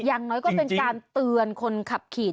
อย่างน้อยก็เป็นการเตือนคนขับขี่